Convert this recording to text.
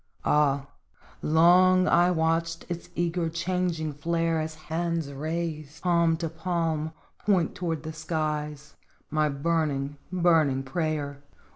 Ah ! long I watched its eager, changing flare As hands raised, palm to palm, point toward the skies My burning, burning prayer